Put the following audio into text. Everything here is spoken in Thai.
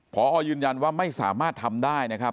พอยืนยันว่าไม่สามารถทำได้นะครับ